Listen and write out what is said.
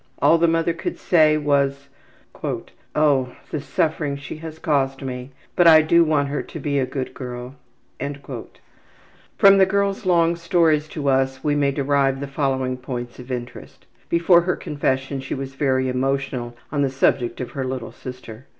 All the mother could say was, ``Oh, the suffering she has caused me! But I do want her to be a good girl.'' From the girl's long stories to us we may derive the following points of interest. Before her confession she was very emotional on the subject of her little sister.